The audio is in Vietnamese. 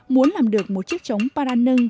muốn làm được một chiếc trống paranưng